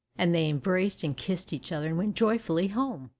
And they embraced and kissed each other, and went joyfully home.